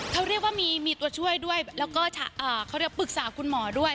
เขาเรียกว่ามีตัวช่วยด้วยแล้วก็เขาเรียกปรึกษาคุณหมอด้วย